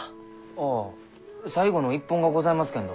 ああ最後の一本がございますけんど。